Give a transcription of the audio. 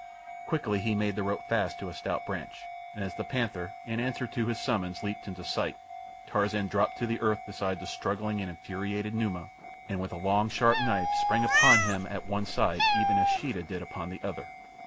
Quickly he made the rope fast to a stout branch, and as the panther, in answer to his summons, leaped into sight, Tarzan dropped to the earth beside the struggling and infuriated Numa, and with a long sharp knife sprang upon him at one side even as Sheeta did upon the other.